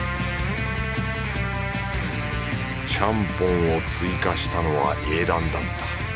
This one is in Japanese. ちゃんぽんを追加したのは英断だった。